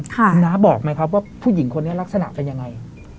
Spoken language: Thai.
คุณน้าบอกไหมครับว่าผู้หญิงคนนี้ลักษณะเป็นยังไง